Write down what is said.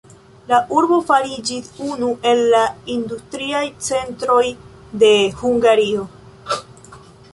La urbo fariĝis unu el la industriaj centroj de Hungario.